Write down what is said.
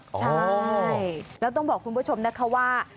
ใช่แล้วต้องบอกคุณผู้ชมนะคะว่า